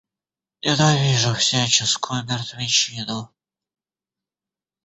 Ненавижу всяческую мертвечину!